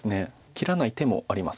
切らない手もあります。